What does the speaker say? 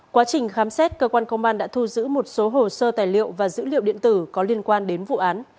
quá trình khám xét cơ quan công an đã thu giữ một số hồ sơ tài liệu và dữ liệu điện tử có liên quan đến vụ án